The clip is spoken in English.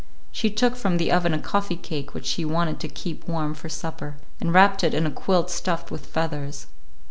She took from the oven a coffee cake which she wanted to keep warm for supper, and wrapped it in a quilt stuffed with feathers.